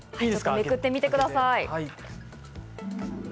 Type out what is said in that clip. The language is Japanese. めくってみてください。